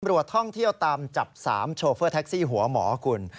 ท่องเที่ยวตามจับ๓โชเฟอร์แท็กซี่หัวหมอคุณ